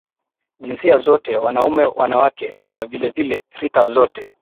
jinsia zote wanaume wanawake na vilevile rika zote